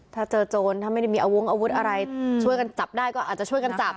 ถ้าเจอโจรถ้าไม่ได้มีอาวงอาวุธอะไรช่วยกันจับได้ก็อาจจะช่วยกันจับ